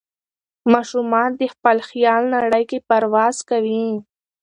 ماشومان د خپل خیال نړۍ کې پرواز کوي.